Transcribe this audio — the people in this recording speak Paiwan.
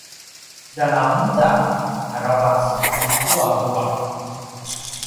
zalangezang aravac tucu a vuaq